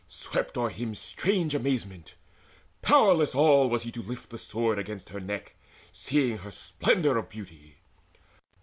Swept o'er him strange amazement: powerless all Was he to lift the sword against her neck, Seeing her splendour of beauty.